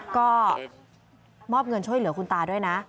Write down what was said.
ก็มอบเงินช่วยเหลือคุณตาด้วยนะ